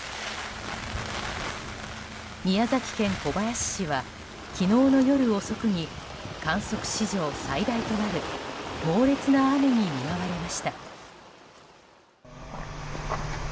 宮崎県小林市は昨日の夜遅くに観測史上最大となる猛烈な雨に見舞われました。